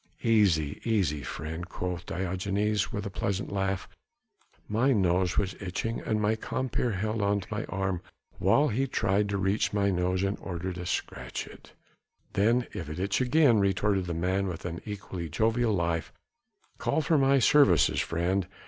"Easy, easy, friend," quoth Diogenes with a pleasant laugh, "my nose was itching and my compeer held on to my arm while he tried to reach my nose in order to scratch it." "Then if it itch again," retorted the man with an equally jovial laugh, "call for my services, friend.